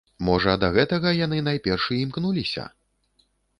Можа, да гэтага яны найперш і імкнуліся?